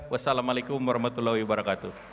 wassalamu'alaikum warahmatullahi wabarakatuh